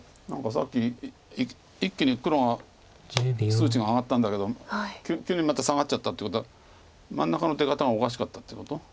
何かさっき一気に黒が数値が上がったんだけど急にまた下がっちゃったってことは真ん中の出方がおかしかったっていうこと？